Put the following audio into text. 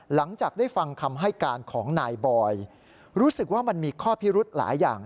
หลังจากได้ฟังคำให้การของนายบอยรู้สึกว่ามันมีข้อพิรุธหลายอย่าง